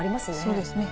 そうですね。